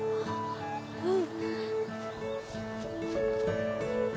うん。